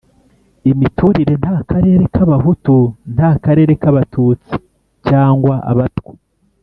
Imiturire Nta karere k'Abahutu, nta karere k'Abatutsi cyangwa Abatwa.